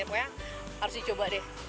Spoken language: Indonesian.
pokoknya harus dicoba deh